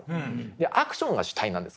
でアクションが主体なんです